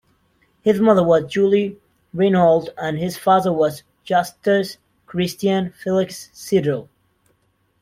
His mother was Julie Reinhold and his father was Justus Christian Felix Seidel.